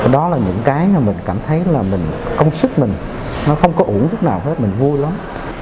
đó là những cái mà mình cảm thấy là mình công sức mình nó không có uống lúc nào hết mình vui lắm